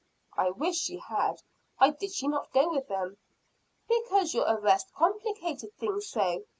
"I wish she had. Why did she not go with them?" "Because your arrest complicated things so.